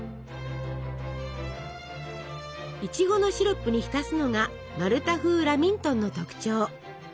いちごのシロップに浸すのがマルタ風ラミントンの特徴。